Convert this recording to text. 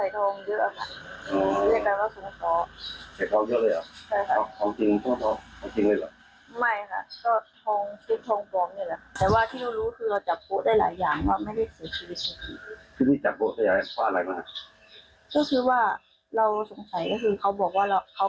กระทุ่มนี่แหละค่ะเราก็เลยสงสัยว่า